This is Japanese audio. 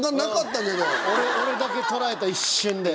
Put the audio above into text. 俺だけ捉えた一瞬で。